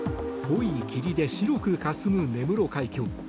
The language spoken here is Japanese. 濃い霧で白くかすむ根室海峡。